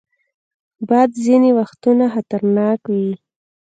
باد ځینې وختونه خطرناک وي